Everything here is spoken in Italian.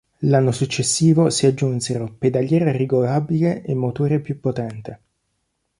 L'anno successivo si aggiunsero pedaliera regolabile e motore più potente.